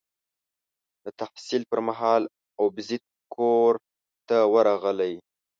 د تحصیل پر مهال ابوزید کور ته ورغلی.